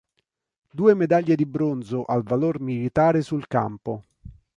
Due Medaglie di bronzo al Valor Militare sul campo.